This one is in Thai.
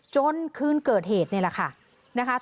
จนคืนเกิดเหตุนี่แหละค่ะนะคะ